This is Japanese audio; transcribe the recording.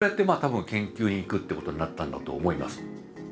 そうやって多分研究に行くってことになったんだと思います。